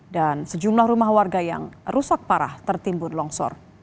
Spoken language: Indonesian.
dan sejumlah rumah warga yang rusak parah tertimbul longsor